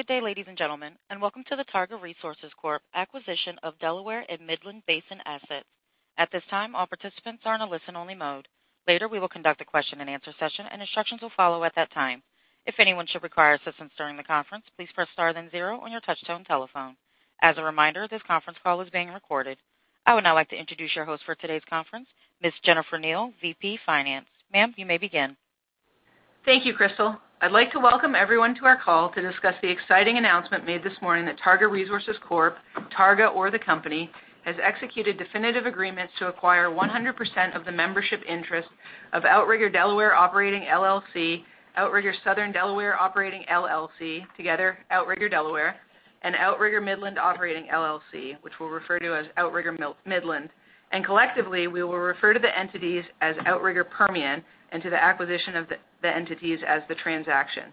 Good day, ladies and gentlemen, and welcome to the Targa Resources Corp acquisition of Delaware and Midland Basin assets. At this time, all participants are in a listen-only mode. Later, we will conduct a question-and-answer session, and instructions will follow at that time. If anyone should require assistance during the conference, please press star then zero on your touch-tone telephone. As a reminder, this conference call is being recorded. I would now like to introduce your host for today's conference, Ms. Jennifer Kneale, VP Finance. Ma'am, you may begin. Thank you, Crystal. I'd like to welcome everyone to our call to discuss the exciting announcement made this morning that Targa Resources Corp, Targa or the company, has executed definitive agreements to acquire 100% of the membership interest of Outrigger Delaware Operating, LLC, Outrigger Southern Delaware Operating, LLC, together Outrigger Delaware, and Outrigger Midland Operating, LLC, which we'll refer to as Outrigger Midland, and collectively we will refer to the entities as Outrigger Permian, and to the acquisition of the entities as the transaction.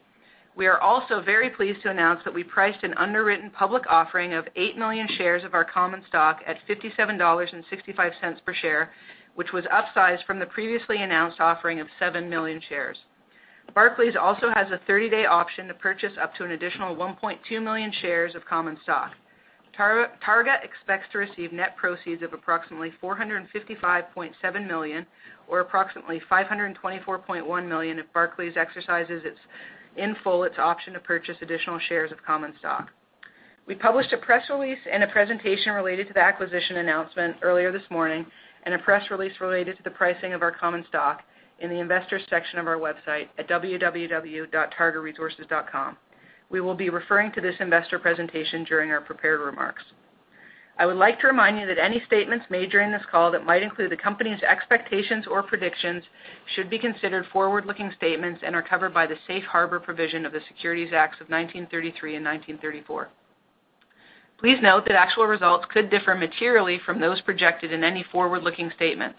We are also very pleased to announce that we priced an underwritten public offering of 8 million shares of our common stock at $57.65 per share, which was upsized from the previously announced offering of 7 million shares. Barclays also has a 30-day option to purchase up to an additional 1.2 million shares of common stock. Targa expects to receive net proceeds of approximately $455.7 million or approximately $524.1 million if Barclays exercises in full its option to purchase additional shares of common stock. We published a press release and a presentation related to the acquisition announcement earlier this morning, and a press release related to the pricing of our common stock in the investors section of our website at www.targaresources.com. We will be referring to this investor presentation during our prepared remarks. I would like to remind you that any statements made during this call that might include the company's expectations or predictions should be considered forward-looking statements and are covered by the safe harbor provision of the Securities Acts of 1933 and 1934. Please note that actual results could differ materially from those projected in any forward-looking statements.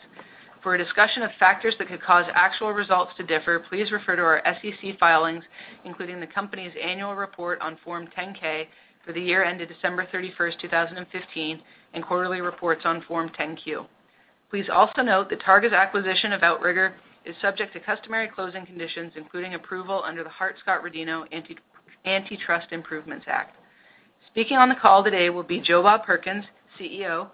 For a discussion of factors that could cause actual results to differ, please refer to our SEC filings, including the company's annual report on Form 10-K for the year ended December 31st, 2015, and quarterly reports on Form 10-Q. Please also note that Targa's acquisition of Outrigger is subject to customary closing conditions, including approval under the Hart-Scott-Rodino Antitrust Improvements Act. Speaking on the call today will be Joe Bob Perkins, CEO;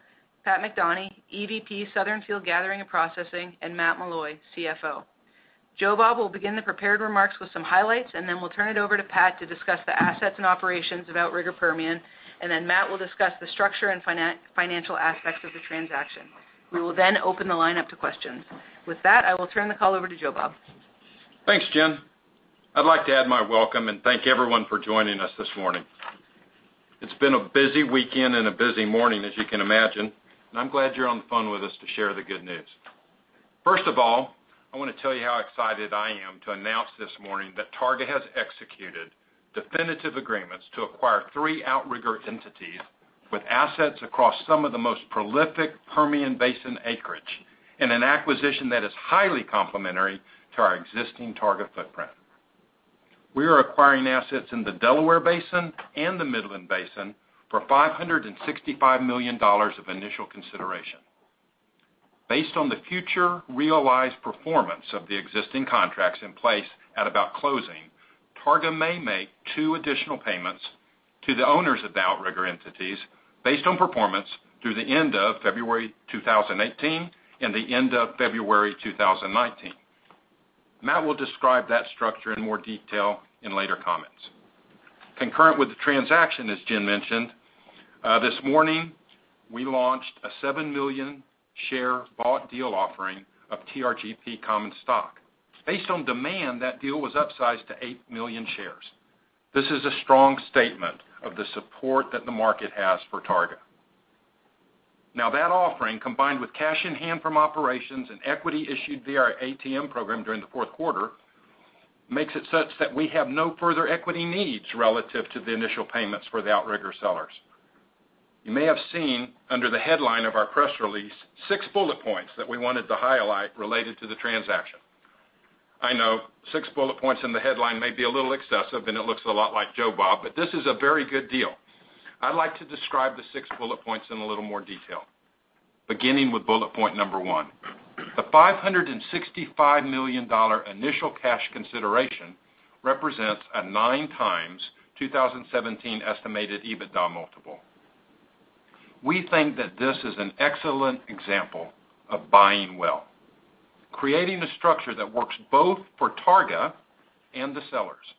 Pat McDonie, EVP Southern Field Gathering and Processing; and Matt Meloy, CFO. Joe Bob will begin the prepared remarks with some highlights, and then we'll turn it over to Pat to discuss the assets and operations of Outrigger Permian, and then Matt will discuss the structure and financial aspects of the transaction. We will then open the line up to questions. With that, I will turn the call over to Joe Bob. Thanks, Jen. I'd like to add my welcome and thank everyone for joining us this morning. It's been a busy weekend and a busy morning, as you can imagine, and I'm glad you're on the phone with us to share the good news. First of all, I want to tell you how excited I am to announce this morning that Targa has executed definitive agreements to acquire three Outrigger entities with assets across some of the most prolific Permian Basin acreage in an acquisition that is highly complementary to our existing Targa footprint. We are acquiring assets in the Delaware Basin and the Midland Basin for $565 million of initial consideration. Based on the future realized performance of the existing contracts in place at about closing, Targa may make two additional payments to the owners of the Outrigger entities based on performance through the end of February 2018 and the end of February 2019. Matt will describe that structure in more detail in later comments. Concurrent with the transaction, as Jen mentioned, this morning we launched a seven million share bought deal offering of TRGP common stock. Based on demand, that deal was upsized to eight million shares. This is a strong statement of the support that the market has for Targa. That offering, combined with cash in hand from operations and equity issued via our ATM program during the fourth quarter, makes it such that we have no further equity needs relative to the initial payments for the Outrigger sellers. You may have seen under the headline of our press release six bullet points that we wanted to highlight related to the transaction. I know six bullet points in the headline may be a little excessive, and it looks a lot like Joe Bob, but this is a very good deal. I'd like to describe the six bullet points in a little more detail. Beginning with bullet point number one. The $565 million initial cash consideration represents a 9x 2017 estimated EBITDA multiple. We think that this is an excellent example of buying well, creating a structure that works both for Targa and the sellers,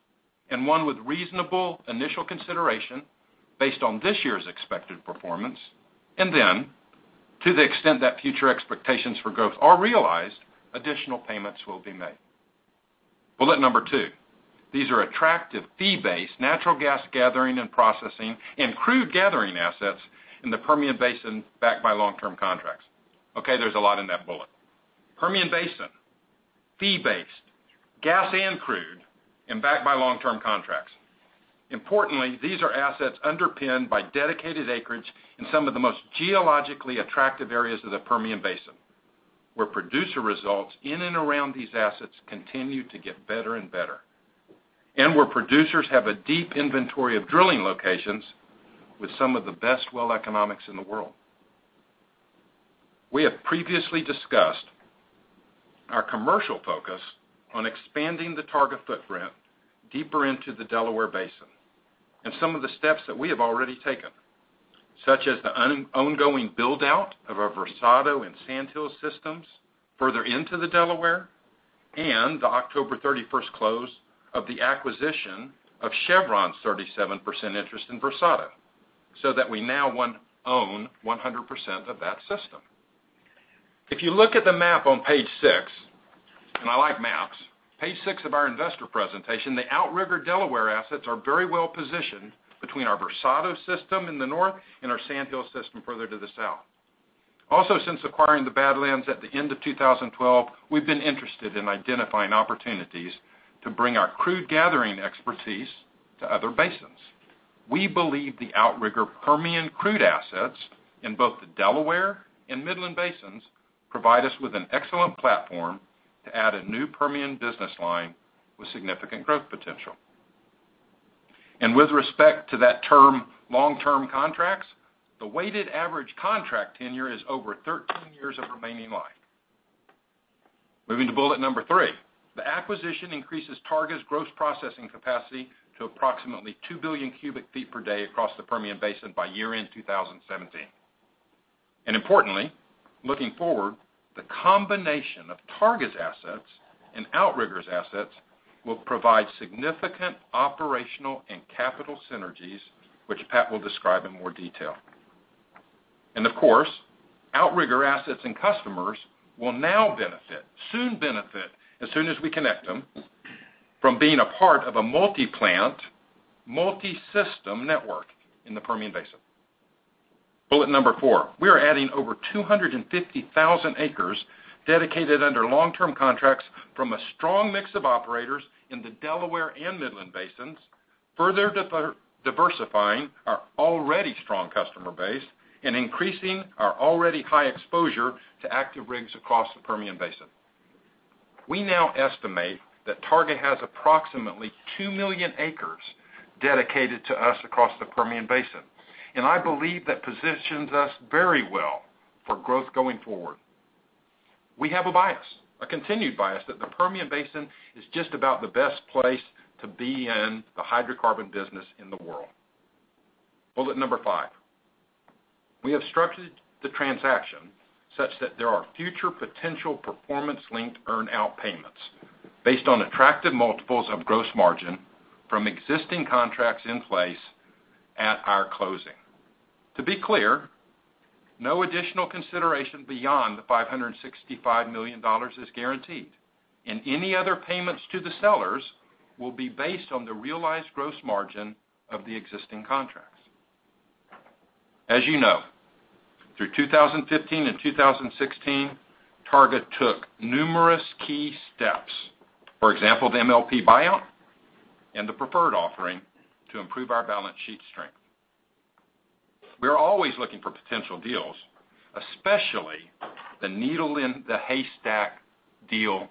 and one with reasonable initial consideration based on this year's expected performance, and then to the extent that future expectations for growth are realized, additional payments will be made. Bullet number two: These are attractive fee-based natural gas gathering and processing and crude gathering assets in the Permian Basin backed by long-term contracts. There's a lot in that bullet. Permian Basin, fee-based, gas and crude, and backed by long-term contracts. Importantly, these are assets underpinned by dedicated acreage in some of the most geologically attractive areas of the Permian Basin, where producer results in and around these assets continue to get better and better, and where producers have a deep inventory of drilling locations with some of the best well economics in the world. We have previously discussed our commercial focus on expanding the Targa footprint deeper into the Delaware Basin and some of the steps that we have already taken, such as the ongoing build-out of our Versado and Sand Hills systems further into the Delaware and the October 31st close of the acquisition of Chevron's 37% interest in Versado, so that we now own 100% of that system. If you look at the map on page six, and I like maps, page six of our investor presentation, the Outrigger Delaware assets are very well-positioned between our Versado system in the north and our Sand Hills system further to the south. Also, since acquiring the Badlands at the end of 2012, we've been interested in identifying opportunities to bring our crude gathering expertise to other basins. We believe the Outrigger Permian crude assets in both the Delaware and Midland basins provide us with an excellent platform to add a new Permian business line with significant growth potential. With respect to that term long-term contracts, the weighted average contract tenure is over 13 years of remaining life. Moving to bullet number three. The acquisition increases Targa's gross processing capacity to approximately 2 billion cubic feet per day across the Permian Basin by year-end 2017. Importantly, looking forward, the combination of Targa's assets and Outrigger's assets will provide significant operational and capital synergies, which Pat will describe in more detail. Of course, Outrigger assets and customers will now soon benefit, as soon as we connect them, from being a part of a multi-plant, multi-system network in the Permian Basin. Bullet number four. We are adding over 250,000 acres dedicated under long-term contracts from a strong mix of operators in the Delaware and Midland basins, further diversifying our already strong customer base and increasing our already high exposure to active rigs across the Permian Basin. We now estimate that Targa has approximately 2 million acres dedicated to us across the Permian Basin, and I believe that positions us very well for growth going forward. We have a bias, a continued bias that the Permian Basin is just about the best place to be in the hydrocarbon business in the world. Bullet number five. We have structured the transaction such that there are future potential performance-linked earn-out payments based on attractive multiples of gross margin from existing contracts in place at our closing. To be clear, no additional consideration beyond the $565 million is guaranteed, and any other payments to the sellers will be based on the realized gross margin of the existing contracts. As you know, through 2015 and 2016, Targa took numerous key steps, for example, the MLP buyout and the preferred offering to improve our balance sheet strength. We are always looking for potential deals, especially the needle-in-the-haystack deal.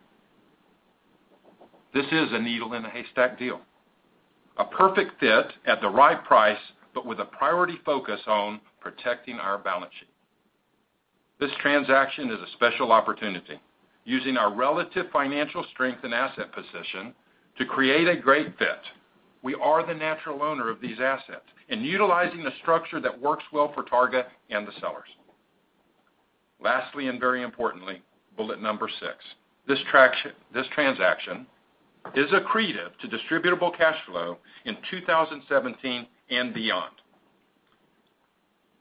This is a needle-in-the-haystack deal. A perfect fit at the right price, but with a priority focus on protecting our balance sheet. This transaction is a special opportunity using our relative financial strength and asset position to create a great fit. We are the natural owner of these assets and utilizing a structure that works well for Targa and the sellers. Lastly, and very importantly, bullet number six. This transaction is accretive to distributable cash flow in 2017 and beyond.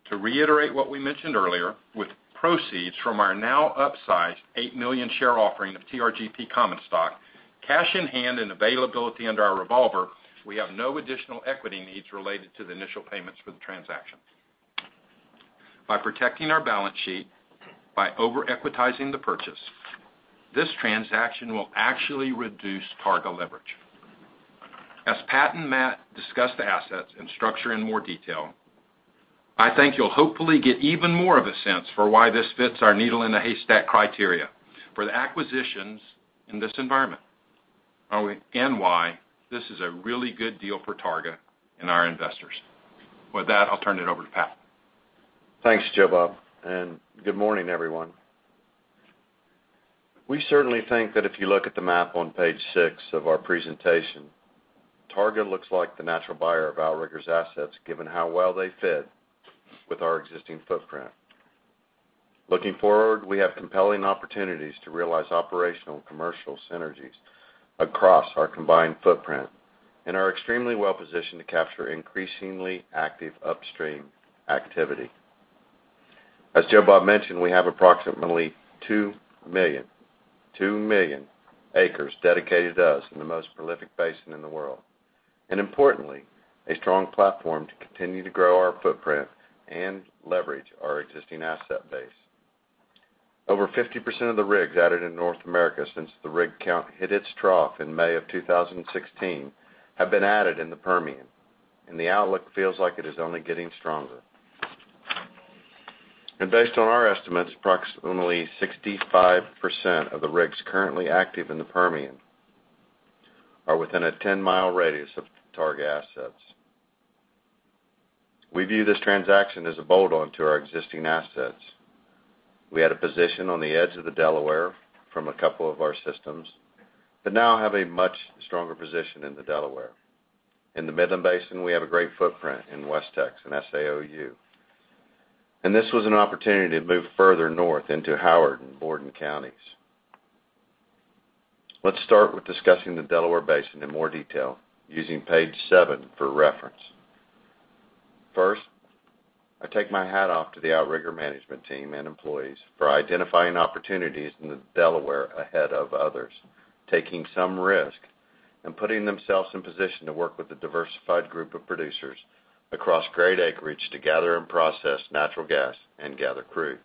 To reiterate what we mentioned earlier, with proceeds from our now upsized 8 million share offering of TRGP common stock, cash in hand, and availability under our revolver, we have no additional equity needs related to the initial payments for the transaction. By protecting our balance sheet, by over-equitizing the purchase, this transaction will actually reduce Targa leverage. As Pat and Matt discuss the assets and structure in more detail, I think you'll hopefully get even more of a sense for why this fits our needle-in-the-haystack criteria for the acquisitions in this environment, and why this is a really good deal for Targa and our investors. With that, I'll turn it over to Pat. Thanks, Joe Bob, and good morning, everyone. We certainly think that if you look at the map on page six of our presentation, Targa looks like the natural buyer of Outrigger's assets, given how well they fit with our existing footprint. Looking forward, we have compelling opportunities to realize operational and commercial synergies across our combined footprint and are extremely well-positioned to capture increasingly active upstream activity. As Joe Bob mentioned, we have approximately two million acres dedicated to us in the most prolific basin in the world. Importantly, a strong platform to continue to grow our footprint and leverage our existing asset base. Over 50% of the rigs added in North America since the rig count hit its trough in May of 2016 have been added in the Permian, and the outlook feels like it is only getting stronger. Based on our estimates, approximately 65% of the rigs currently active in the Permian Are within a 10-mile radius of Targa assets. We view this transaction as a bolt-on to our existing assets. We had a position on the edge of the Delaware from a couple of our systems, but now have a much stronger position in the Delaware. In the Midland Basin, we have a great footprint in West Texas and SAOU. This was an opportunity to move further north into Howard and Borden Counties. Let's start with discussing the Delaware basin in more detail using page seven for reference. First, I take my hat off to the Outrigger management team and employees for identifying opportunities in the Delaware ahead of others, taking some risk and putting themselves in position to work with a diversified group of producers across great acreage to gather and process natural gas and gather crude.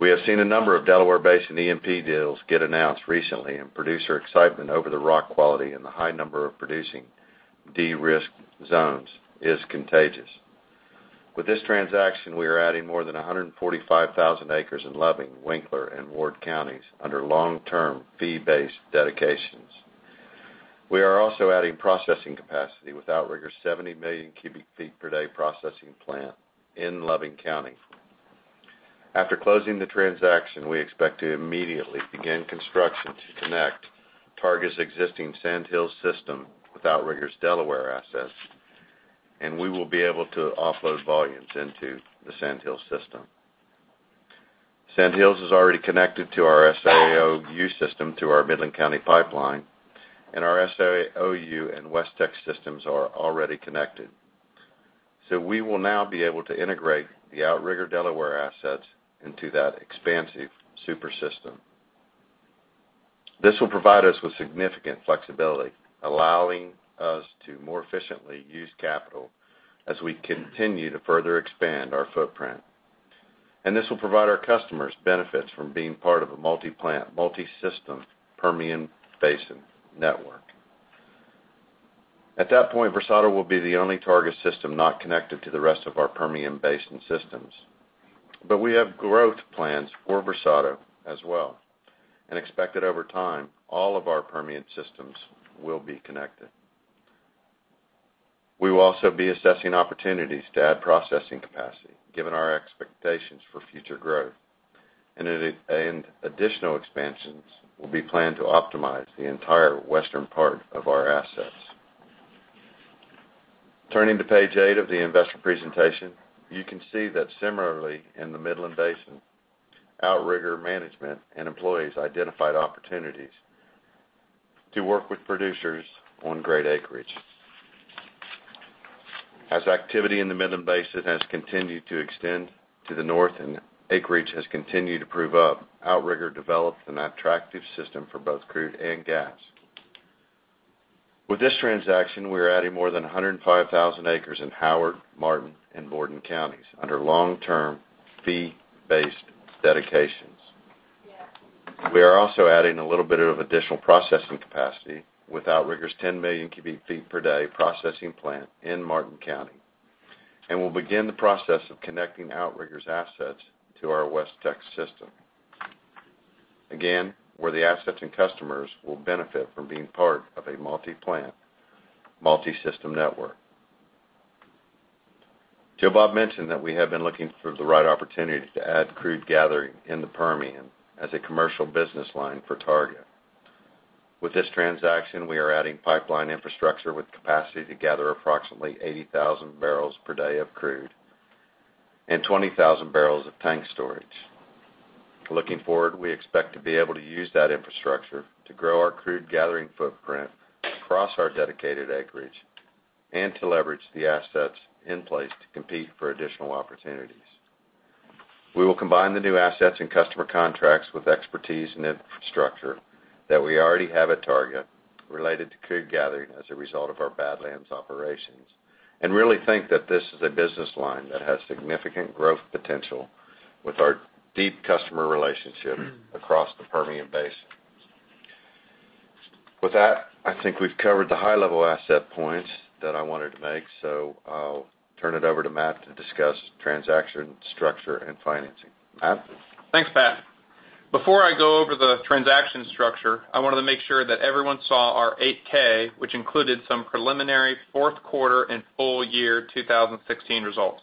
We have seen a number of Delaware-based E&P deals get announced recently, and producer excitement over the rock quality and the high number of producing de-risked zones is contagious. With this transaction, we are adding more than 145,000 acres in Loving, Winkler, and Ward Counties under long-term fee-based dedications. We are also adding processing capacity with Outrigger's 70 million cubic feet per day processing plant in Loving County. After closing the transaction, we expect to immediately begin construction to connect Targa's existing Sand Hills system with Outrigger's Delaware assets, we will be able to offload volumes into the Sand Hills system. Sand Hills is already connected to our SAOU system through our Midland County pipeline, our SAOU and WestTX systems are already connected. We will now be able to integrate the Outrigger Delaware assets into that expansive super system. This will provide us with significant flexibility, allowing us to more efficiently use capital as we continue to further expand our footprint. This will provide our customers benefits from being part of a multi-plant, multi-system Permian Basin network. At that point, Versado will be the only Targa system not connected to the rest of our Permian Basin systems. We have growth plans for Versado as well and expect that over time, all of our Permian systems will be connected. We will also be assessing opportunities to add processing capacity, given our expectations for future growth. Additional expansions will be planned to optimize the entire western part of our assets. Turning to page eight of the investor presentation, you can see that similarly in the Midland Basin, Outrigger management and employees identified opportunities to work with producers on great acreage. As activity in the Midland Basin has continued to extend to the north and acreage has continued to prove up, Outrigger developed an attractive system for both crude and gas. With this transaction, we are adding more than 105,000 acres in Howard, Martin, and Borden Counties under long-term fee-based dedications. We are also adding a little bit of additional processing capacity with Outrigger's 10 million cubic feet per day processing plant in Martin County. We'll begin the process of connecting Outrigger's assets to our WestTX system. Again, where the assets and customers will benefit from being part of a multi-plant, multi-system network. Joe Bob mentioned that we have been looking for the right opportunity to add crude gathering in the Permian as a commercial business line for Targa. With this transaction, we are adding pipeline infrastructure with capacity to gather approximately 80,000 barrels per day of crude and 20,000 barrels of tank storage. Looking forward, we expect to be able to use that infrastructure to grow our crude gathering footprint across our dedicated acreage and to leverage the assets in place to compete for additional opportunities. We will combine the new assets and customer contracts with expertise and infrastructure that we already have at Targa related to crude gathering as a result of our Badlands operations and really think that this is a business line that has significant growth potential with our deep customer relationships across the Permian Basin. With that, I think we've covered the high-level asset points that I wanted to make, I'll turn it over to Matt to discuss transaction structure and financing. Matt? Thanks, Pat. Before I go over the transaction structure, I wanted to make sure that everyone saw our 8-K, which included some preliminary fourth quarter and full year 2016 results.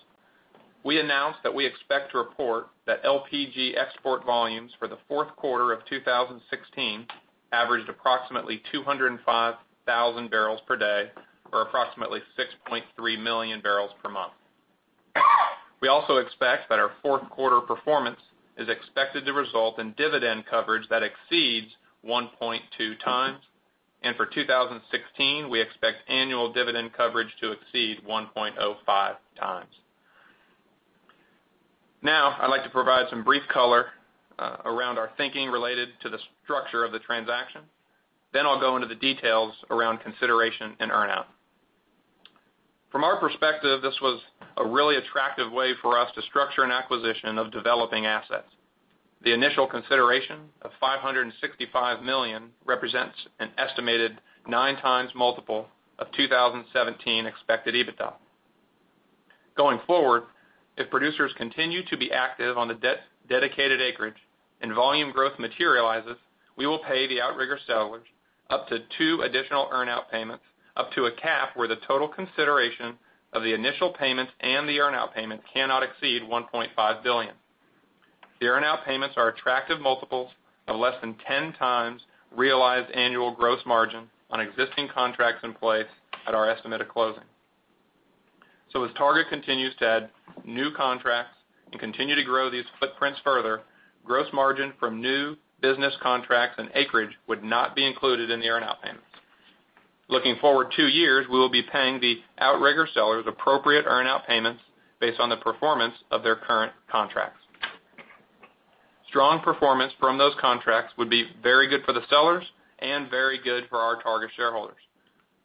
We announced that we expect to report that LPG export volumes for the fourth quarter of 2016 averaged approximately 205,000 barrels per day or approximately 6.3 million barrels per month. We also expect that our fourth quarter performance is expected to result in dividend coverage that exceeds 1.2 times. For 2016, we expect annual dividend coverage to exceed 1.05 times. I'd like to provide some brief color around our thinking related to the structure of the transaction. I'll go into the details around consideration and earn-out. From our perspective, this was a really attractive way for us to structure an acquisition of developing assets. The initial consideration of $565 million represents an estimated 9 times multiple of 2017 expected EBITDA. Going forward, if producers continue to be active on the dedicated acreage and volume growth materializes, we will pay the Outrigger sellers up to two additional earn-out payments, up to a cap where the total consideration of the initial payments and the earn-out payment cannot exceed $1.5 billion. The earn-out payments are attractive multiples of less than 10 times realized annual gross margin on existing contracts in place at our estimated closing. As Targa continues to add new contracts and continue to grow these footprints further, gross margin from new business contracts and acreage would not be included in the earn-out payments. Looking forward two years, we will be paying the Outrigger sellers appropriate earn-out payments based on the performance of their current contracts. Strong performance from those contracts would be very good for the sellers and very good for our Targa shareholders,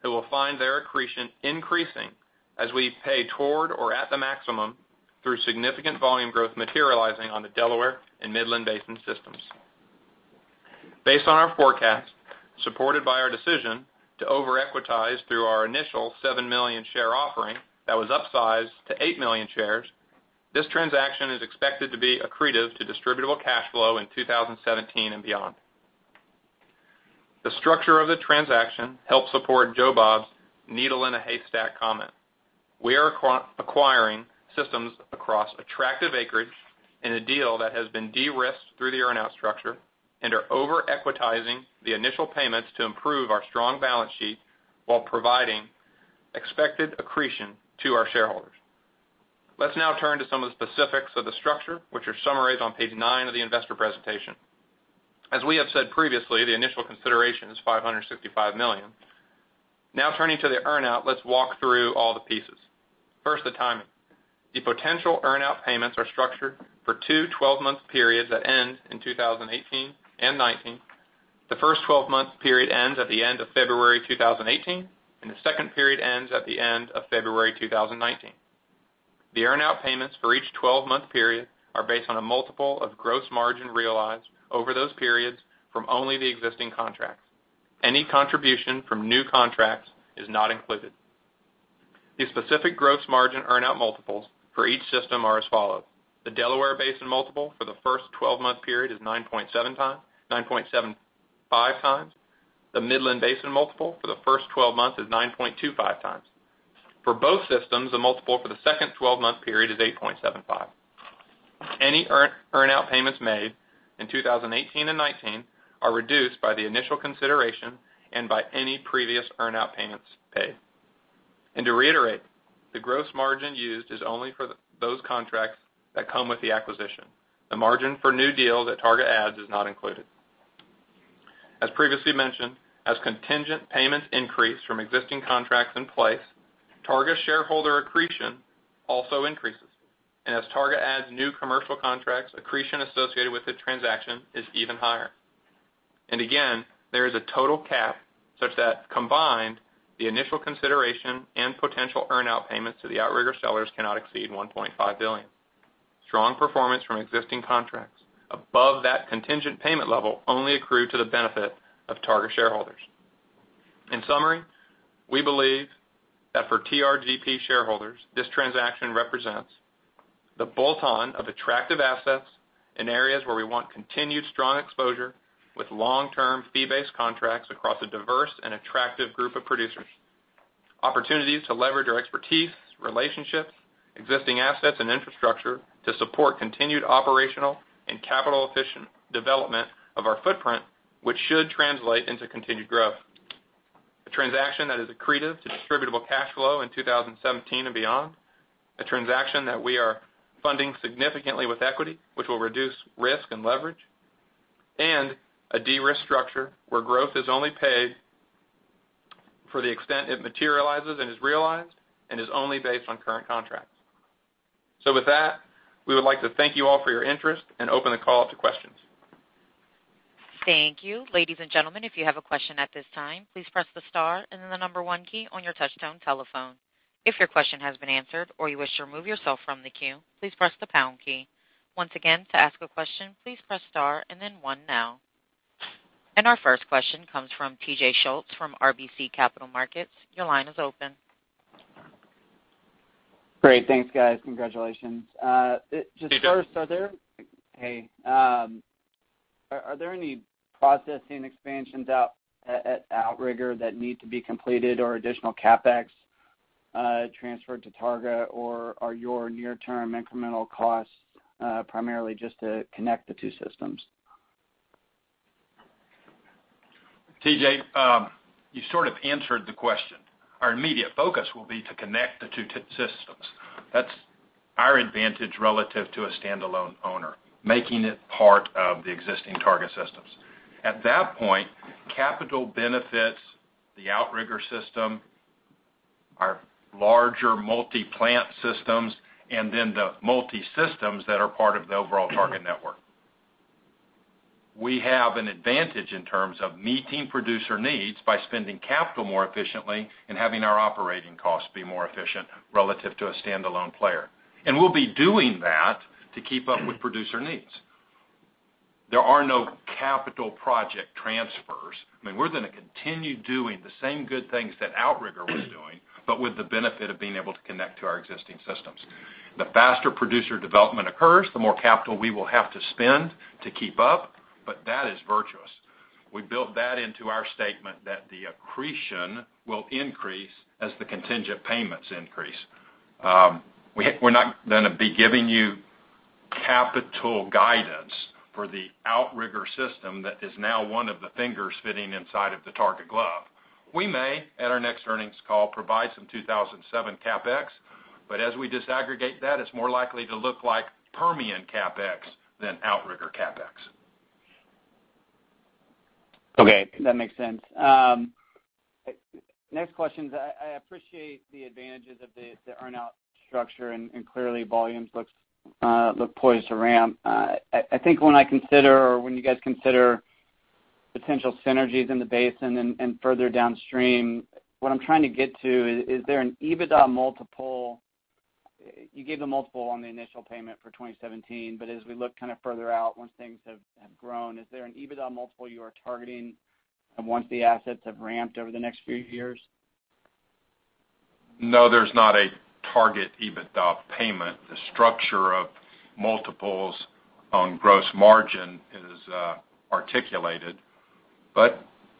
who will find their accretion increasing as we pay toward or at the maximum through significant volume growth materializing on the Delaware and Midland Basin systems. Based on our forecast, supported by our decision to over-equitize through our initial 7 million share offering that was upsized to 8 million shares, this transaction is expected to be accretive to distributable cash flow in 2017 and beyond. The structure of the transaction helps support Joe Bob's needle in a haystack comment. We are acquiring systems across attractive acreage in a deal that has been de-risked through the earn-out structure and are over-equitizing the initial payments to improve our strong balance sheet while providing expected accretion to our shareholders. Let's now turn to some of the specifics of the structure, which are summarized on page nine of the investor presentation. As we have said previously, the initial consideration is $565 million. Turning to the earn-out, let's walk through all the pieces. First, the timing. The potential earn-out payments are structured for two 12-month periods that end in 2018 and 2019. The first 12-month period ends at the end of February 2018, and the second period ends at the end of February 2019. The earn-out payments for each 12-month period are based on a multiple of gross margin realized over those periods from only the existing contracts. Any contribution from new contracts is not included. The specific gross margin earn-out multiples for each system are as follows. The Delaware Basin multiple for the first 12-month period is 9.75 times. The Midland Basin multiple for the first 12 months is 9.25 times. For both systems, the multiple for the second 12-month period is 8.75. Any earn-out payments made in 2018 and 2019 are reduced by the initial consideration and by any previous earn-out payments paid. To reiterate, the gross margin used is only for those contracts that come with the acquisition. The margin for new deals that Targa adds is not included. As previously mentioned, as contingent payments increase from existing contracts in place, Targa shareholder accretion also increases. As Targa adds new commercial contracts, accretion associated with the transaction is even higher. Again, there is a total cap such that combined, the initial consideration and potential earn-out payments to the Outrigger sellers cannot exceed $1.5 billion. Strong performance from existing contracts above that contingent payment level only accrue to the benefit of Targa shareholders. In summary, we believe that for TRGP shareholders, this transaction represents the bolt-on of attractive assets in areas where we want continued strong exposure with long-term fee-based contracts across a diverse and attractive group of producers. Opportunities to leverage our expertise, relationships, existing assets, and infrastructure to support continued operational and capital-efficient development of our footprint, which should translate into continued growth. A transaction that is accretive to distributable cash flow in 2017 and beyond, a transaction that we are funding significantly with equity, which will reduce risk and leverage, and a de-risk structure where growth is only paid for the extent it materializes and is realized and is only based on current contracts. With that, we would like to thank you all for your interest and open the call up to questions. Thank you. Ladies and gentlemen, if you have a question at this time, please press the star and then the number one key on your touch-tone telephone. If your question has been answered or you wish to remove yourself from the queue, please press the pound key. Once again, to ask a question, please press star and then one now. Our first question comes from T.J. Schultz from RBC Capital Markets. Your line is open. Great. Thanks, guys. Congratulations. Are there any processing expansions out at Outrigger that need to be completed or additional CapEx transferred to Targa? Or are your near-term incremental costs primarily just to connect the two systems? T.J., you sort of answered the question. Our immediate focus will be to connect the two systems. That's our advantage relative to a standalone owner, making it part of the existing Targa systems. At that point, capital benefits the Outrigger system, our larger multi-plant systems, and the multi-systems that are part of the overall Targa network. We have an advantage in terms of meeting producer needs by spending capital more efficiently and having our operating costs be more efficient relative to a standalone player. We'll be doing that to keep up with producer needs. There are no capital project transfers. We're going to continue doing the same good things that Outrigger was doing, with the benefit of being able to connect to our existing systems. The faster producer development occurs, the more capital we will have to spend to keep up, that is virtuous. We built that into our statement that the accretion will increase as the contingent payments increase. We're not going to be giving you capital guidance for the Outrigger system that is now one of the fingers fitting inside of the Targa glove. We may, at our next earnings call, provide some 2007 CapEx, as we disaggregate that, it's more likely to look like Permian CapEx than Outrigger CapEx. Okay. That makes sense. Next question is, I appreciate the advantages of the earn-out structure, clearly volumes look poised to ramp. I think when I consider, or when you guys consider potential synergies in the basin and further downstream, what I'm trying to get to is there an EBITDA multiple? You gave the multiple on the initial payment for 2017, as we look kind of further out, once things have grown, is there an EBITDA multiple you are targeting once the assets have ramped over the next few years? No, there's not a target EBITDA payment. The structure of multiples on gross margin is articulated.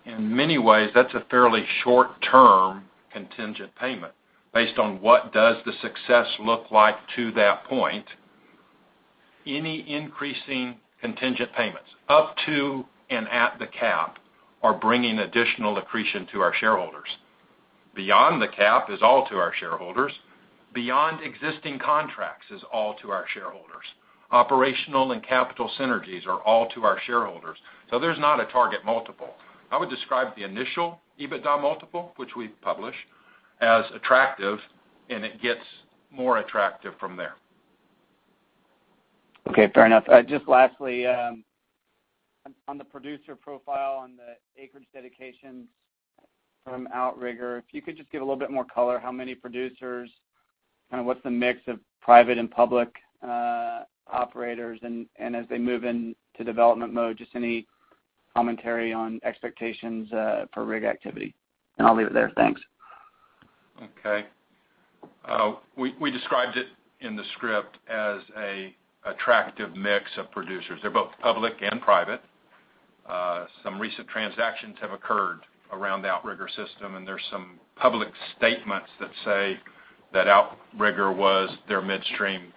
In many ways, that's a fairly short-term contingent payment based on what does the success look like to that point. Any increasing contingent payments up to and at the cap are bringing additional accretion to our shareholders. Beyond the cap is all to our shareholders. Beyond existing contracts is all to our shareholders. Operational and capital synergies are all to our shareholders. There's not a target multiple. I would describe the initial EBITDA multiple, which we publish, as attractive, and it gets more attractive from there. Okay, fair enough. Just lastly, on the producer profile, on the acreage dedications from Outrigger, if you could just give a little more color, how many producers, kind of what's the mix of private and public operators and as they move into development mode, just any commentary on expectations for rig activity. I'll leave it there. Thanks. Okay. We described it in the script as a attractive mix of producers. They're both public and private. Some recent transactions have occurred around the Outrigger system, and there's some public statements that say that Outrigger was their midstream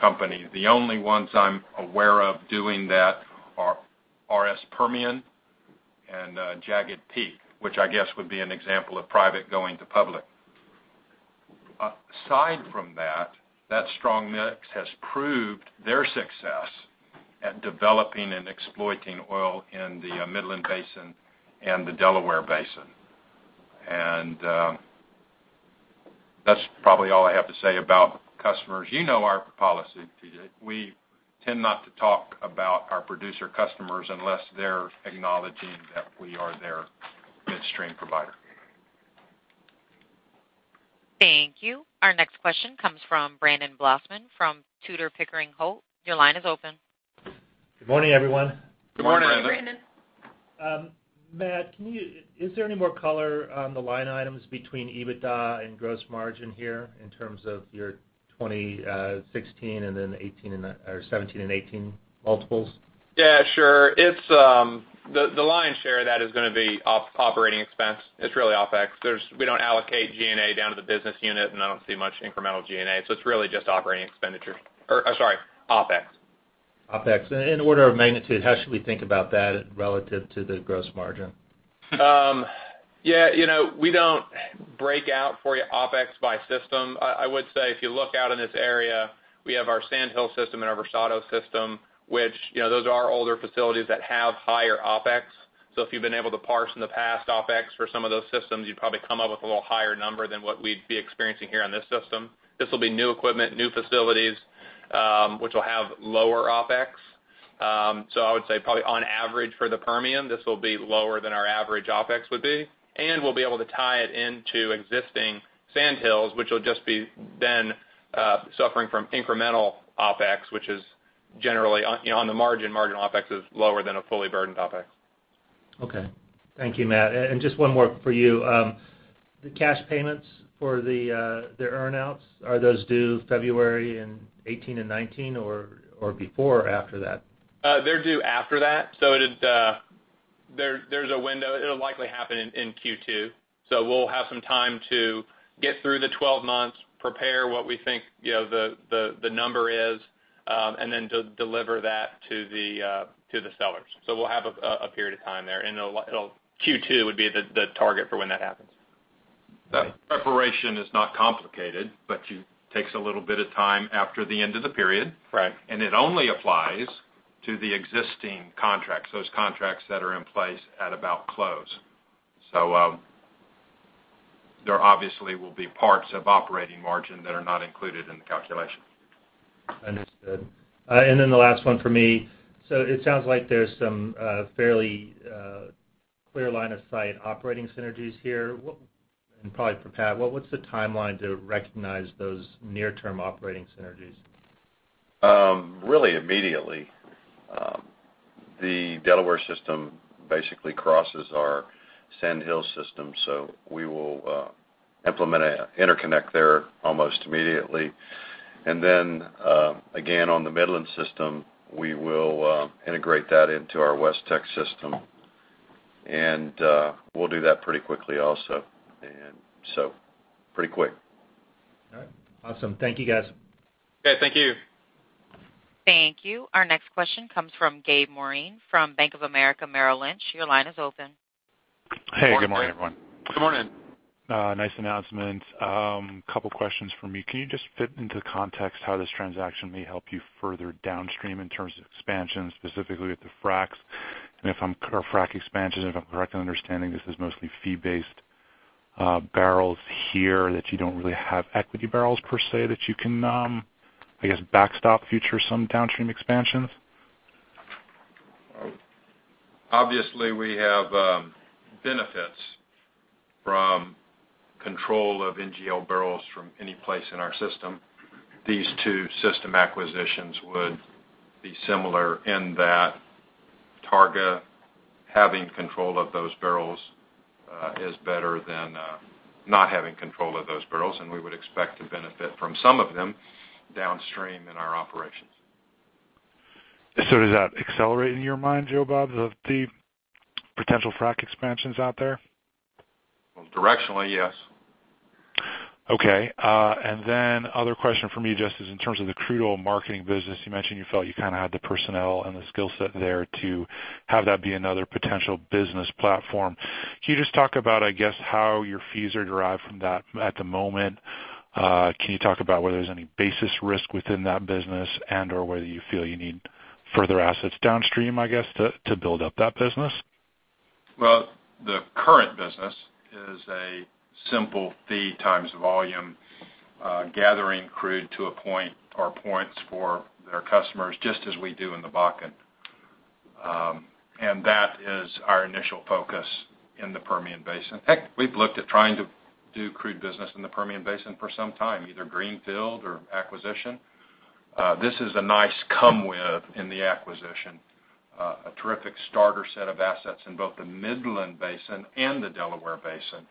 company. The only ones I'm aware of doing that are RSP Permian and Jagged Peak, which I guess would be an example of private going to public. Aside from that strong mix has proved their success at developing and exploiting oil in the Midland Basin and the Delaware Basin. That's probably all I have to say about customers. You know our policy, T.J. We tend not to talk about our producer customers unless they're acknowledging that we are their midstream provider. Thank you. Our next question comes from Brandon Blossman from Tudor, Pickering Holt. Your line is open. Good morning, everyone. Good morning, Brandon. Good morning. Matt, is there any more color on the line items between EBITDA and gross margin here in terms of your 2016 and then 2017 and 2018 multiples? Yeah, sure. The lion's share of that is going to be operating expense. It's really OpEx. We don't allocate G&A down to the business unit, and I don't see much incremental G&A, so it's really just operating expenditure. Or, I'm sorry, OpEx. OpEx. In order of magnitude, how should we think about that relative to the gross margin? Yeah. We don't break out for you OpEx by system. I would say if you look out in this area, we have our Sand Hills system and our Versado system, which those are older facilities that have higher OpEx. If you've been able to parse in the past OpEx for some of those systems, you'd probably come up with a little higher number than what we'd be experiencing here on this system. This will be new equipment, new facilities, which will have lower OpEx. I would say probably on average for the Permian, this will be lower than our average OpEx would be, and we'll be able to tie it into existing Sand Hills, which will just be then suffering from incremental OpEx, which is generally on the margin. Margin OpEx is lower than a fully burdened OpEx. Okay. Thank you, Matt. Just one more for you. The cash payments for the earn-outs, are those due February in 2018 and 2019 or before or after that? They're due after that. There's a window. It'll likely happen in Q2. We'll have some time to get through the 12 months, prepare what we think the number is, and then deliver that to the sellers. We'll have a period of time there, and Q2 would be the target for when that happens. The preparation is not complicated, but it takes a little bit of time after the end of the period. Right. It only applies to the existing contracts, those contracts that are in place at about close. There obviously will be parts of operating margin that are not included in the calculation. Understood. Then the last one for me. It sounds like there's some fairly clear line of sight operating synergies here. Probably for Pat, what's the timeline to recognize those near-term operating synergies? Really immediately. The Delaware system basically crosses our Sand hills system, we will implement an interconnect there almost immediately. Again, on the Midland system, we will integrate that into our WestTX system, we'll do that pretty quickly also. Pretty quick. All right. Awesome. Thank you, guys. Okay, thank you. Thank you. Our next question comes from Gabe Moreen from Bank of America Merrill Lynch. Your line is open. Hey, good morning, everyone. Good morning. Nice announcement. Couple questions from me. Can you just fit into context how this transaction may help you further downstream in terms of expansion, specifically with the fracs? Or frac expansions, if I'm correctly understanding this is mostly fee-based barrels here, that you don't really have equity barrels per se, that you can, I guess, backstop future some downstream expansions? Obviously, we have benefits from control of NGL barrels from any place in our system. These two system acquisitions would be similar in that Targa having control of those barrels, is better than not having control of those barrels, and we would expect to benefit from some of them downstream in our operations. Does that accelerate in your mind, Joe Bob, the potential frac expansions out there? Directionally, yes. Other question from me, just is in terms of the crude oil marketing business, you mentioned you felt you kind of had the personnel and the skill set there to have that be another potential business platform. Can you just talk about, I guess, how your fees are derived from that at the moment? Can you talk about whether there's any basis risk within that business and/or whether you feel you need further assets downstream, I guess, to build up that business? The current business is a simple fee times volume, gathering crude to a point or points for their customers, just as we do in the Bakken. That is our initial focus in the Permian Basin. In fact, we've looked at trying to do crude business in the Permian Basin for some time, either greenfield or acquisition. This is a nice come with in the acquisition. A terrific starter set of assets in both the Midland Basin and the Delaware Basin,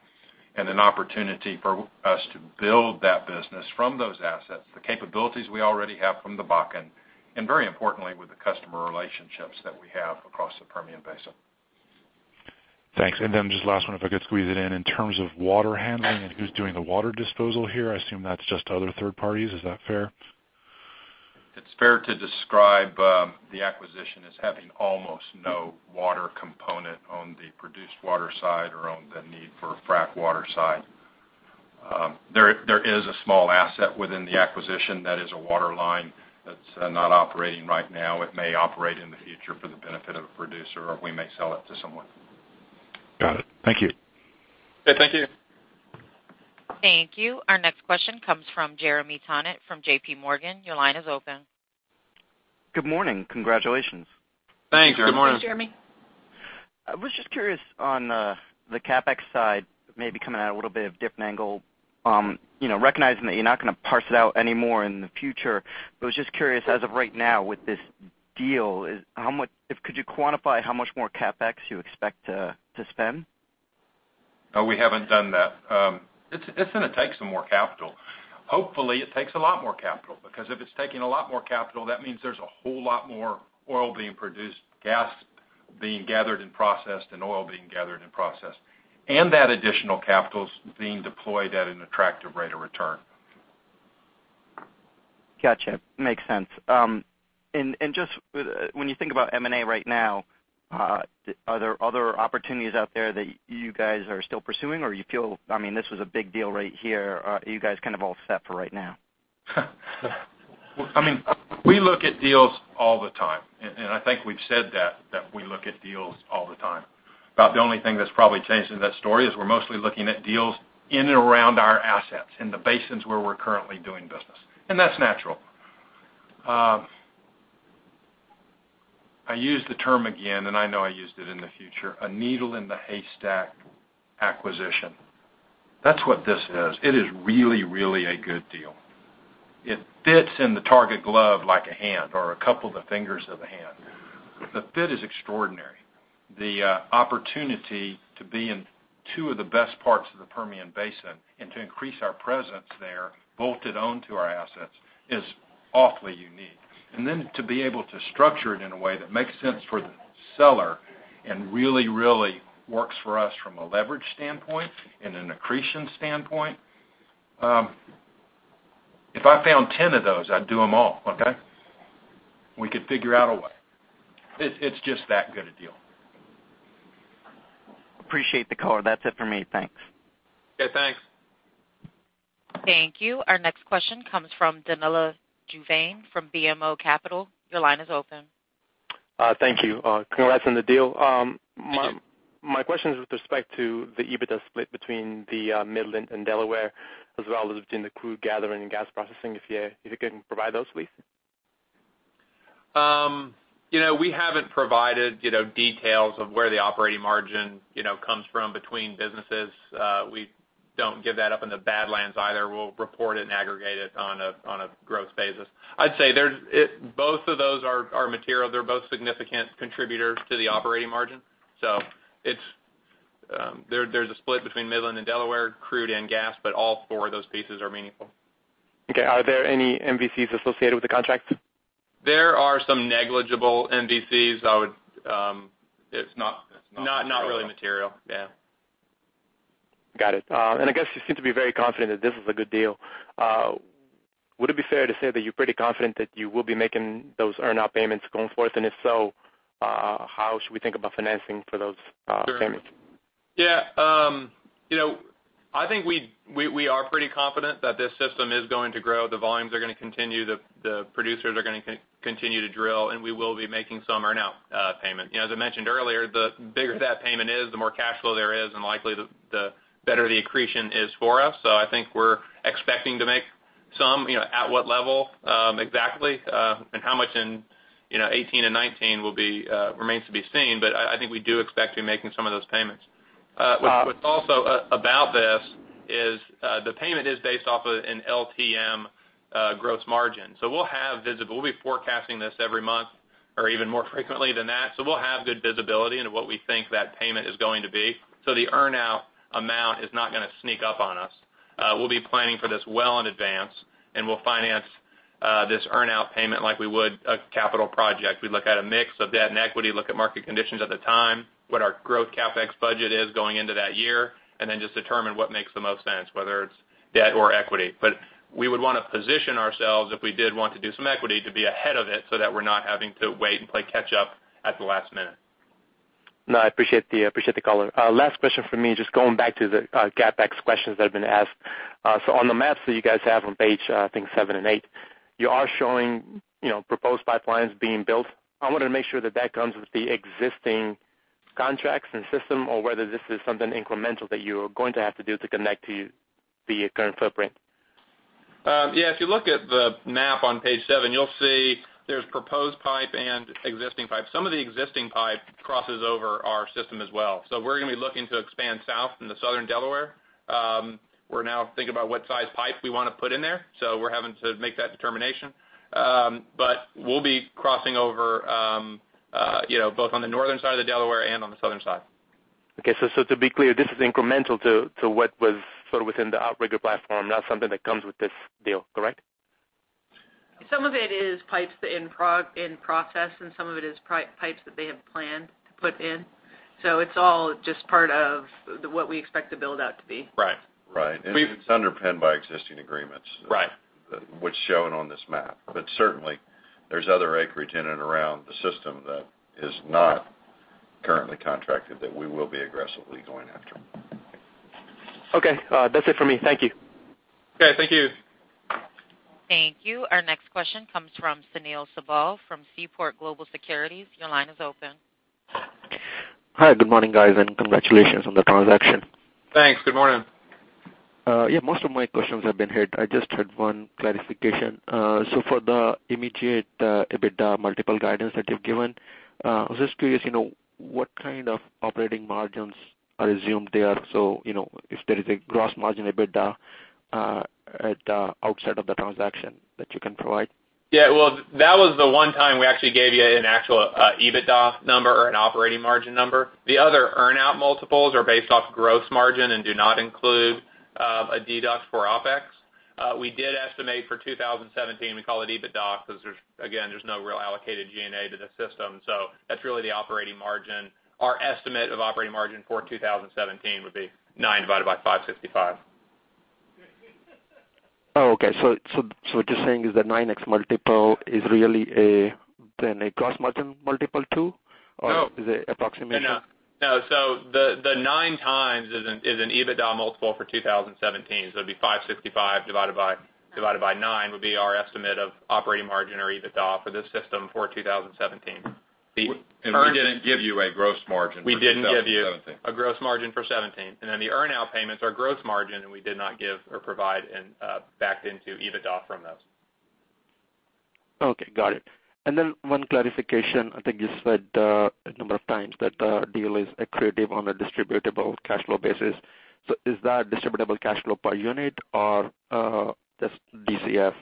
and an opportunity for us to build that business from those assets, the capabilities we already have from the Bakken, and very importantly, with the customer relationships that we have across the Permian Basin. Thanks. Then just last one, if I could squeeze it in. In terms of water handling and who's doing the water disposal here, I assume that's just other third parties. Is that fair? It's fair to describe the acquisition as having almost no water component on the produced water side or on the need for frac water side. There is a small asset within the acquisition that is a water line that's not operating right now. It may operate in the future for the benefit of a producer, or we may sell it to someone. Got it. Thank you. Okay, thank you. Thank you. Our next question comes from Jeremy Tonet from J.P. Morgan. Your line is open. Good morning. Congratulations. Thanks. Good morning. Thank you, Jeremy. I was just curious on the CapEx side, maybe coming at a little bit of different angle. Recognizing that you're not going to parse it out anymore in the future, Was just curious, as of right now with this deal, could you quantify how much more CapEx you expect to spend? No, we haven't done that. It's going to take some more capital. Hopefully, it takes a lot more capital, because if it's taking a lot more capital, that means there's a whole lot more oil being produced, gas being gathered and processed, and oil being gathered and processed. That additional capital's being deployed at an attractive rate of return. Gotcha. Makes sense. Just when you think about M&A right now, are there other opportunities out there that you guys are still pursuing, or you feel this was a big deal right here. Are you guys kind of all set for right now? We look at deals all the time, and I think we've said that, we look at deals all the time. About the only thing that's probably changed in that story is we're mostly looking at deals in and around our assets, in the basins where we're currently doing business. That's natural. I use the term again, and I know I used it in the future, a needle in the haystack acquisition. That's what this is. It is really, really a good deal. It fits in the Targa glove like a hand or a couple of fingers of a hand. The fit is extraordinary. The opportunity to be in two of the best parts of the Permian Basin and to increase our presence there bolted onto our assets is awfully unique. To be able to structure it in a way that makes sense for the seller and really, really works for us from a leverage standpoint and an accretion standpoint. If I found 10 of those, I'd do them all. Okay? We could figure out a way. It's just that good a deal. Appreciate the color. That's it for me. Thanks. Okay, thanks. Thank you. Our next question comes from Danilo Juvane from BMO Capital. Your line is open. Thank you. Congrats on the deal. Thank you. My question is with respect to the EBITDA split between the Midland and Delaware, as well as between the crude gathering and gas processing. If you can provide those, please. We haven't provided details of where the operating margin comes from between businesses. We don't give that up in the Badlands either. We'll report it and aggregate it on a growth basis. I'd say both of those are material. They're both significant contributors to the operating margin. There's a split between Midland and Delaware, crude and gas, but all four of those pieces are meaningful. Okay. Are there any MVCs associated with the contracts? There are some negligible MVCs. Not really material. Yeah. Got it. I guess you seem to be very confident that this is a good deal. Would it be fair to say that you're pretty confident that you will be making those earn-out payments going forth? If so, how should we think about financing for those payments? Yeah. I think we are pretty confident that this system is going to grow. The volumes are going to continue, the producers are going to continue to drill, and we will be making some earn-out payment. As I mentioned earlier, the bigger that payment is, the more cash flow there is and likely the better the accretion is for us. I think we're expecting to make some. At what level exactly, and how much in 2018 and 2019 will be remains to be seen, but I think we do expect to be making some of those payments. What's also about this is the payment is based off an LTM gross margin. We'll be forecasting this every month or even more frequently than that. We'll have good visibility into what we think that payment is going to be. The earn-out amount is not going to sneak up on us. We'll be planning for this well in advance, we'll finance this earn-out payment like we would a capital project. We'd look at a mix of debt and equity, look at market conditions at the time, what our growth CapEx budget is going into that year, then just determine what makes the most sense, whether it's debt or equity. We would want to position ourselves, if we did want to do some equity, to be ahead of it so that we're not having to wait and play catch up at the last minute. No, I appreciate the call. Last question from me, just going back to the CapEx questions that have been asked. On the maps that you guys have on page, I think, seven and eight. You are showing proposed pipelines being built. I wanted to make sure that comes with the existing contracts and system or whether this is something incremental that you are going to have to do to connect to the current footprint. Yeah. If you look at the map on page seven, you'll see there's proposed pipe and existing pipe. Some of the existing pipe crosses over our system as well. We're going to be looking to expand south into Southern Delaware. We're now thinking about what size pipe we want to put in there, so we're having to make that determination. We'll be crossing over both on the northern side of the Delaware and on the southern side. Okay. To be clear, this is incremental to what was within the Outrigger platform, not something that comes with this deal, correct? Some of it is pipes in process, and some of it is pipes that they have planned to put in. It's all just part of what we expect the build-out to be. Right. Right. It's underpinned by existing agreements. Right. What's shown on this map. Certainly, there's other acreage in and around the system that is not currently contracted that we will be aggressively going after. Okay. That's it for me. Thank you. Okay. Thank you. Thank you. Our next question comes from Sunil Sibal from Seaport Global Securities. Your line is open. Hi. Good morning, guys. Congratulations on the transaction. Thanks. Good morning. Yeah. Most of my questions have been hit. I just had one clarification. For the immediate EBITDA multiple guidance that you've given, I was just curious, what kind of operating margins are assumed there? If there is a gross margin EBITDA at the outset of the transaction that you can provide. Yeah. Well, that was the one time we actually gave you an actual EBITDA number or an operating margin number. The other earn-out multiples are based off gross margin and do not include a deduct for OpEx. We did estimate for 2017, we call it EBITDA because, again, there's no real allocated G&A to the system. That's really the operating margin. Our estimate of operating margin for 2017 would be nine divided by 565. Oh, okay. What you're saying is that 9x multiple is really a gross margin multiple too? No. Is it approximation? No. The 9x is an EBITDA multiple for 2017. It'd be 565 divided by nine, would be our estimate of operating margin or EBITDA for this system for 2017. We didn't give you a gross margin for 2017. We didn't give you a gross margin for 2017. The earn-out payments are gross margin, and we did not give or provide back into EBITDA from those. Okay, got it. One clarification. I think you said a number of times that the deal is accretive on a distributable cash flow basis. Is that distributable cash flow per unit or just DCF?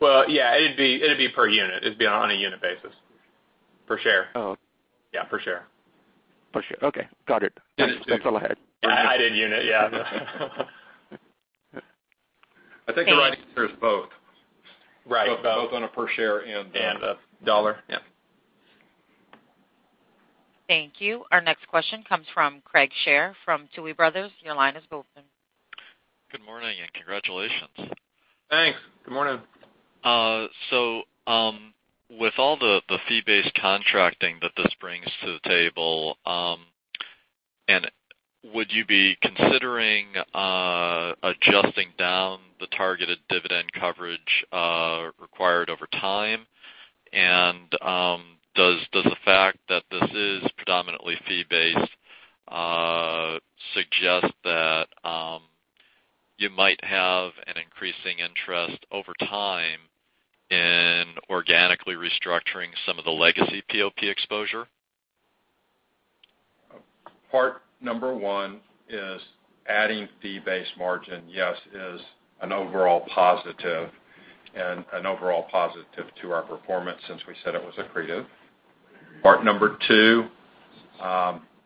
Well, yeah. It'd be per unit. It'd be on a unit basis. Per share. Oh. Yeah, per share. Per share. Okay. Got it. That's all I had. I did unit, yeah. I think the right answer is both. Right. Both on a per share. A dollar. Yeah. Thank you. Our next question comes from Craig Shere from Tuohy Brothers. Your line is open. Good morning, and congratulations. Thanks. Good morning. With all the fee-based contracting that this brings to the table, would you be considering adjusting down the targeted dividend coverage required over time? Does the fact that this is predominantly fee-based suggest that you might have an increasing interest over time in organically restructuring some of the legacy POP exposure? Part number one is adding fee-based margin, yes, is an overall positive, an overall positive to our performance since we said it was accretive. Part number two,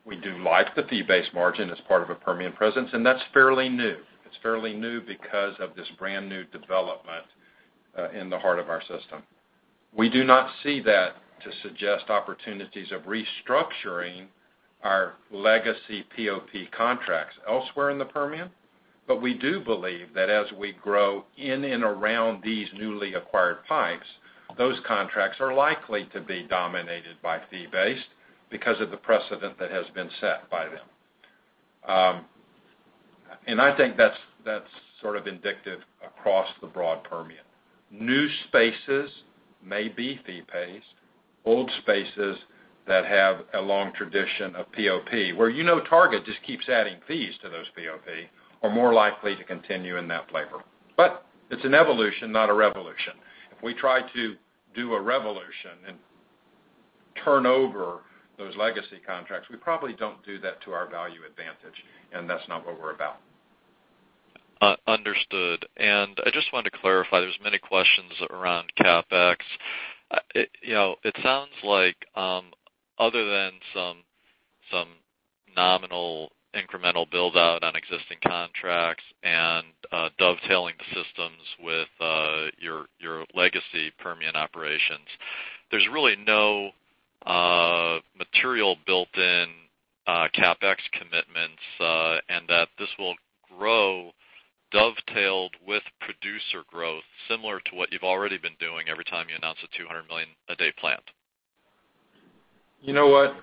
we do like the fee-based margin as part of a Permian presence, that's fairly new. It's fairly new because of this brand-new development in the heart of our system. We do not see that to suggest opportunities of restructuring our legacy POP contracts elsewhere in the Permian. We do believe that as we grow in and around these newly acquired pipes, those contracts are likely to be dominated by fee-based because of the precedent that has been set by them. I think that's sort of indicative across the broad Permian. New spaces may be fee-based. Old spaces that have a long tradition of POP, where you know Targa just keeps adding fees to those POP, are more likely to continue in that flavor. It's an evolution, not a revolution. If we try to do a revolution and turn over those legacy contracts, we probably don't do that to our value advantage, that's not what we're about. Understood. I just wanted to clarify, there's many questions around CapEx. It sounds like other than some nominal incremental build-out on existing contracts and dovetailing the systems with your legacy Permian operations, there's really no material built in CapEx commitments, that this will grow dovetailed with producer growth, similar to what you've already been doing every time you announce a $200 million a day plant. You know what?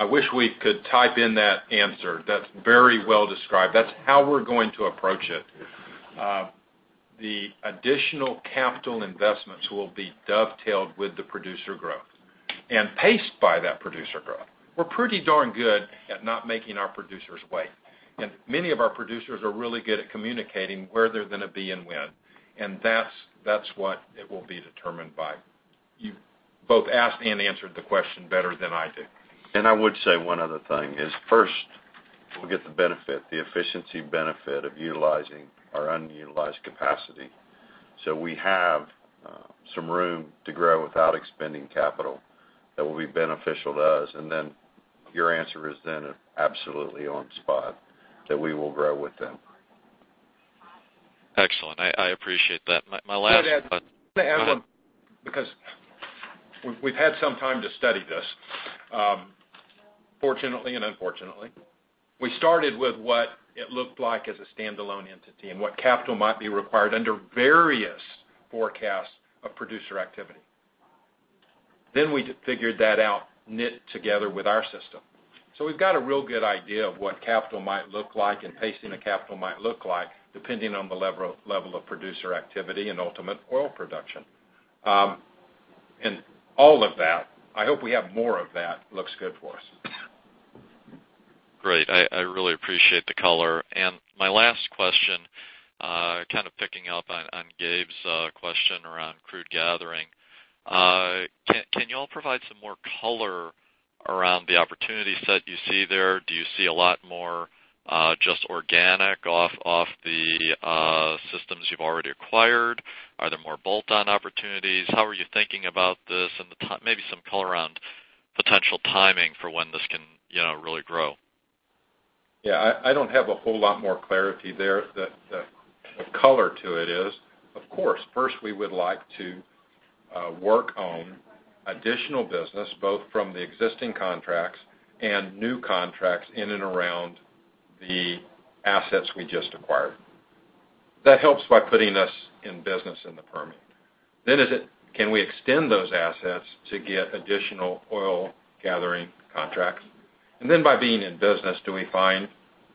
I wish we could type in that answer. That's very well-described. That's how we're going to approach it. The additional capital investments will be dovetailed with the producer growth and paced by that producer growth. We're pretty darn good at not making our producers wait. Many of our producers are really good at communicating where they're going to be and when. That's what it will be determined by. You both asked and answered the question better than I did. I would say one other thing is first, we'll get the benefit, the efficiency benefit of utilizing our unutilized capacity. We have some room to grow without expending capital that will be beneficial to us. Your answer is then absolutely on spot, that we will grow with them. Excellent. I appreciate that. Let me add one, because we've had some time to study this, fortunately and unfortunately. We started with what it looked like as a standalone entity and what capital might be required under various forecasts of producer activity. We figured that out knit together with our system. We've got a real good idea of what capital might look like and pacing the capital might look like depending on the level of producer activity and ultimate oil production. All of that, I hope we have more of that, looks good for us. Great. I really appreciate the color. My last question, kind of picking up on Gabe's question around crude gathering. Can you all provide some more color around the opportunity set you see there? Do you see a lot more just organic off the systems you've already acquired? Are there more bolt-on opportunities? How are you thinking about this? Maybe some color around potential timing for when this can really grow. I don't have a whole lot more clarity there. The color to it is, of course, first we would like to work on additional business, both from the existing contracts and new contracts in and around the assets we just acquired. That helps by putting us in business in the Permian. Is it, can we extend those assets to get additional oil gathering contracts? By being in business, do we find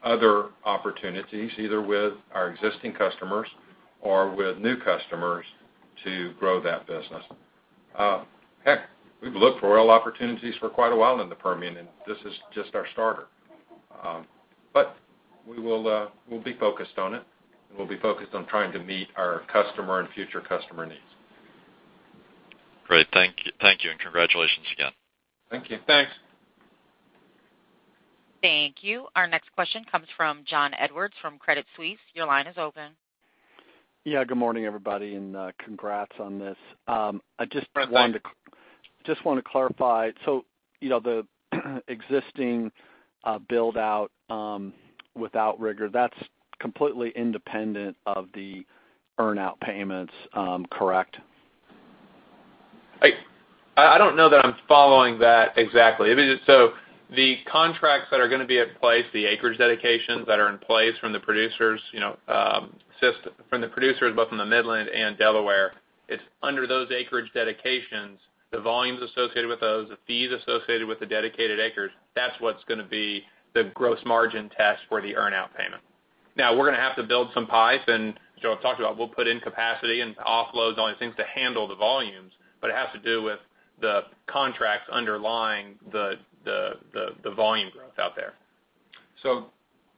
other opportunities, either with our existing customers or with new customers to grow that business? Heck, we've looked for oil opportunities for quite a while in the Permian, this is just our starter. We'll be focused on it, and we'll be focused on trying to meet our customer and future customer needs. Great. Thank you, and congratulations again. Thank you. Thanks. Thank you. Our next question comes from John Edwards from Credit Suisse. Your line is open. Yeah, good morning, everybody, and congrats on this. Thanks. I just want to clarify. The existing build-out Outrigger, that's completely independent of the earn-out payments, correct? I don't know that I'm following that exactly. The contracts that are going to be in place, the acreage dedications that are in place from the producers, both from the Midland and Delaware, it's under those acreage dedications, the volumes associated with those, the fees associated with the dedicated acres, that's what's going to be the gross margin test for the earn-out payment. We're going to have to build some pipes, and Joe talked about we'll put in capacity and offloads, all these things to handle the volumes. It has to do with the contracts underlying the The volume growth out there.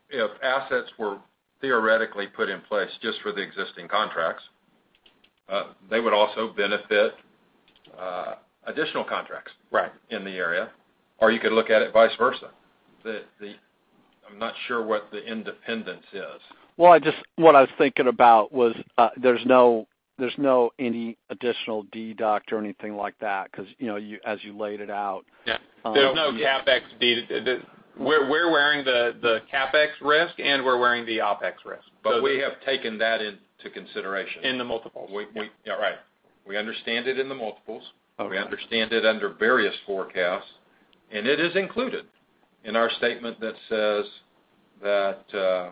If assets were theoretically put in place just for the existing contracts, they would also benefit additional contracts. Right in the area. You could look at it vice versa. I'm not sure what the independence is. What I was thinking about was, there's no any additional deduct or anything like that because, as you laid it out. There's no CapEx. We're wearing the CapEx risk, and we're wearing the OpEx risk. We have taken that into consideration. In the multiples. Yeah, right. We understand it in the multiples. Okay. We understand it under various forecasts, and it is included in our statement that says that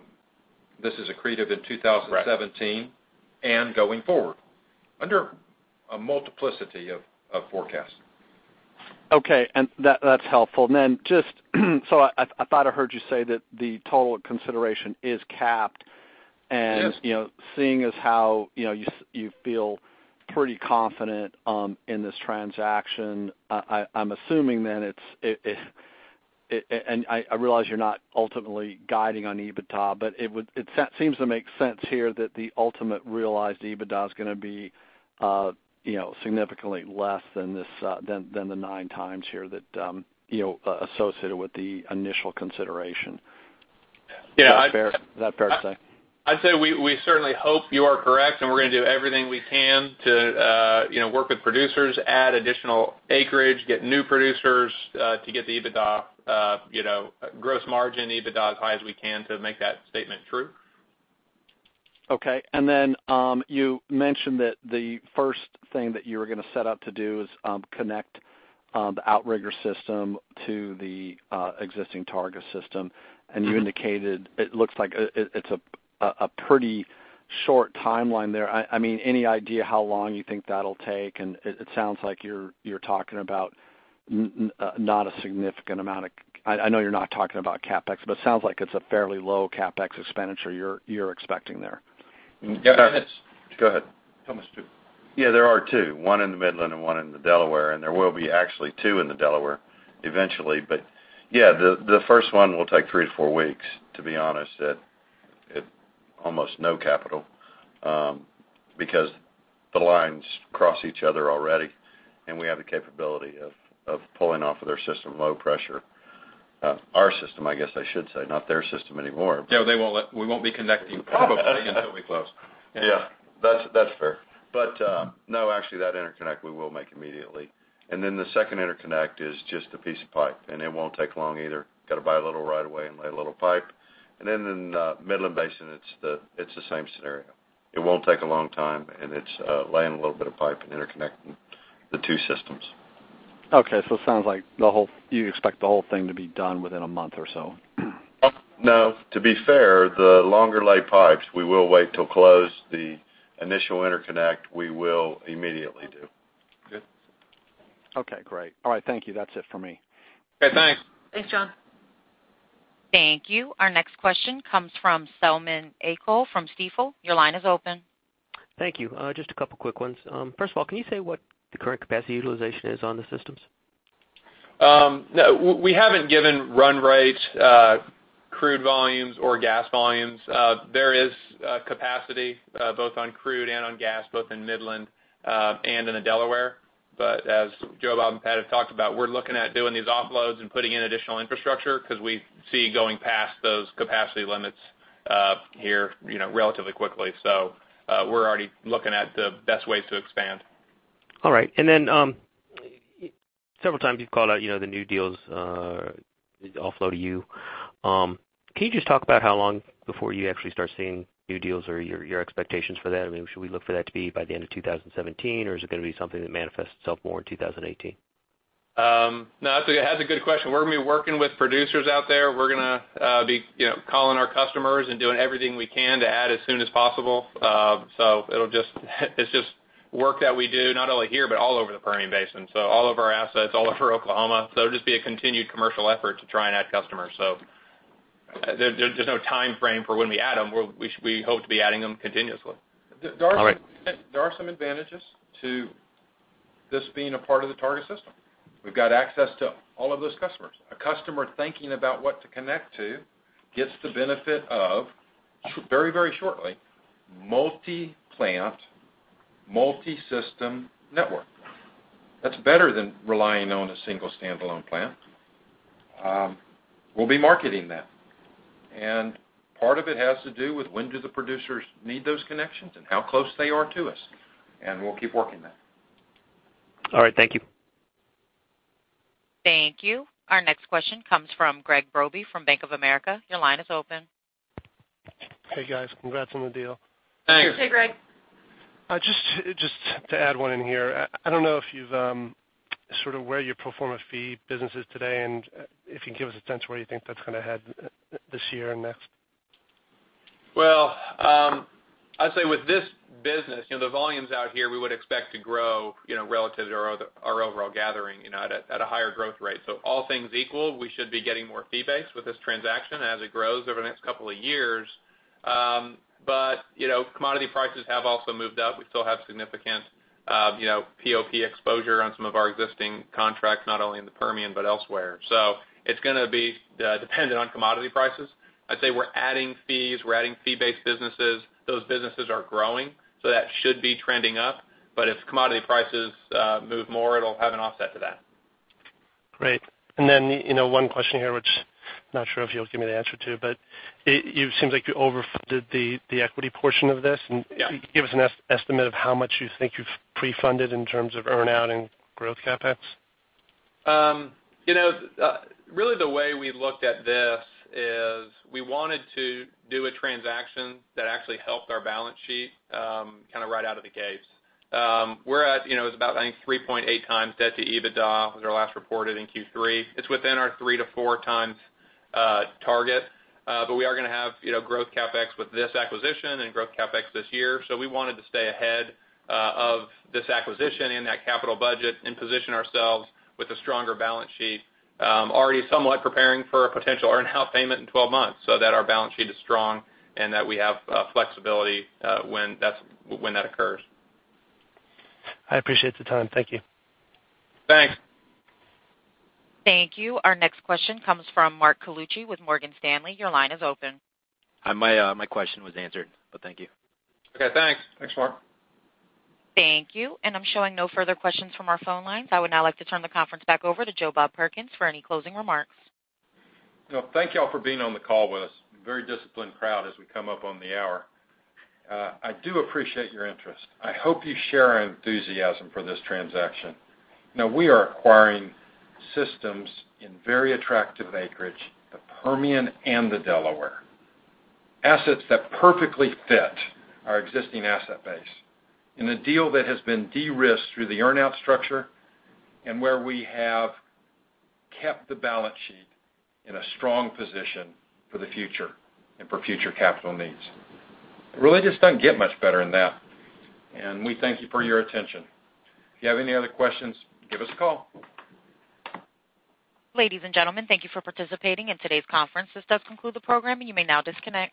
this is accretive in 2017. Right going forward, under a multiplicity of forecasts. Okay. That's helpful. I thought I heard you say that the total consideration is capped. Yes seeing as how you feel pretty confident in this transaction, I'm assuming then. I realize you're not ultimately guiding on EBITDA, but it seems to make sense here that the ultimate realized EBITDA is going to be significantly less than the 9x here that associated with the initial consideration. Yeah. Is that fair to say? I'd say we certainly hope you are correct, we're going to do everything we can to work with producers, add additional acreage, get new producers, to get the EBITDA gross margin EBITDA as high as we can to make that statement true. Okay. You mentioned that the first thing that you were going to set out to do is connect the Outrigger system to the existing Targa system, you indicated it looks like it's a pretty short timeline there. Any idea how long you think that'll take? It sounds like you're talking about not a significant amount of I know you're not talking about CapEx, but it sounds like it's a fairly low CapEx expenditure you're expecting there. Yeah. Go ahead. Tell him there's two. There are two. One in the Midland and one in the Delaware, there will be actually two in the Delaware eventually. The first one will take three to four weeks, to be honest, at almost no capital, because the lines cross each other already, we have the capability of pulling off of their system low pressure. Our system, I guess I should say, not their system anymore. No, we won't be connecting probably until we close. Yeah. That's fair. No, actually, that interconnect we will make immediately. The second interconnect is just a piece of pipe, and it won't take long either. Got to buy a little right away and lay a little pipe. In the Midland Basin, it's the same scenario. It won't take a long time, and it's laying a little bit of pipe and interconnecting the two systems. Okay. It sounds like you expect the whole thing to be done within a month or so. No. To be fair, the longer-lay pipes, we will wait till close. The initial interconnect we will immediately do. Good. Okay, great. All right. Thank you. That's it for me. Okay, thanks. Thanks, John. Thank you. Our next question comes from Selman Akyol from Stifel. Your line is open. Thank you. Just a couple quick ones. First of all, can you say what the current capacity utilization is on the systems? We haven't given run rates, crude volumes, or gas volumes. There is capacity both on crude and on gas, both in Midland and in the Delaware. As Joe Bob and Pat have talked about, we're looking at doing these offloads and putting in additional infrastructure because we see going past those capacity limits here relatively quickly. We're already looking at the best ways to expand. All right. Several times you've called out the new deals offload to you. Can you just talk about how long before you actually start seeing new deals or your expectations for that? Should we look for that to be by the end of 2017, or is it going to be something that manifests itself more in 2018? No, that's a good question. We're going to be working with producers out there. We're going to be calling our customers and doing everything we can to add as soon as possible. It's just work that we do, not only here, but all over the Permian Basin, so all of our assets, all over Oklahoma. It'll just be a continued commercial effort to try and add customers. There's no timeframe for when we add them. We hope to be adding them continuously. All right. There are some advantages to this being a part of the Targa system. We've got access to all of those customers. A customer thinking about what to connect to gets the benefit of, very, very shortly, multi-plant, multi-system network. That's better than relying on a single standalone plant. We'll be marketing that. Part of it has to do with when do the producers need those connections and how close they are to us, and we'll keep working that. All right. Thank you. Thank you. Our next question comes from Gregg Brody from Bank of America. Your line is open. Hey, guys. Congrats on the deal. Thanks. Hey, Gregg. Just to add one in here. I don't know if sort of where your pro forma fee businesses today and if you can give us a sense where you think that's going to head this year and next. I'd say with this business, the volumes out here we would expect to grow relative to our overall gathering at a higher growth rate. All things equal, we should be getting more fee base with this transaction as it grows over the next couple of years. Commodity prices have also moved up. We still have significant POP exposure on some of our existing contracts, not only in the Permian but elsewhere. It's going to be dependent on commodity prices. I'd say we're adding fees, we're adding fee-based businesses. Those businesses are growing, that should be trending up. If commodity prices move more, it'll have an offset to that. Great. One question here, which I'm not sure if you'll give me the answer to. It seems like you overfunded the equity portion of this. Yeah. Can you give us an estimate of how much you think you've pre-funded in terms of earn-out and growth CapEx? Really the way we looked at this is we wanted to do a transaction that actually helped our balance sheet right out of the gates. It's about 3.8 times debt to EBITDA was our last reported in Q3. It's within our three to four times target. We are going to have growth CapEx with this acquisition and growth CapEx this year. We wanted to stay ahead of this acquisition and that capital budget and position ourselves with a stronger balance sheet, already somewhat preparing for a potential earn-out payment in 12 months so that our balance sheet is strong and that we have flexibility when that occurs. I appreciate the time. Thank you. Thanks. Thank you. Our next question comes from Mark Carlucci with Morgan Stanley. Your line is open. Hi. My question was answered. Thank you. Okay, thanks. Thanks, Mark. Thank you. I'm showing no further questions from our phone lines. I would now like to turn the conference back over to Joe Bob Perkins for any closing remarks. Thank you all for being on the call with us. A very disciplined crowd as we come up on the hour. I do appreciate your interest. I hope you share our enthusiasm for this transaction. We are acquiring systems in very attractive acreage, the Permian and the Delaware. Assets that perfectly fit our existing asset base in a deal that has been de-risked through the earn-out structure, and where we have kept the balance sheet in a strong position for the future and for future capital needs. It really just doesn't get much better than that, and we thank you for your attention. If you have any other questions, give us a call. Ladies and gentlemen, thank you for participating in today's conference. This does conclude the program, and you may now disconnect.